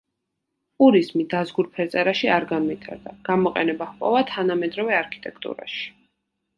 პურიზმი დაზგურ ფერწერაში არ განვითარდა; გამოყენება ჰპოვა თანამედროვე არქიტექტურაში.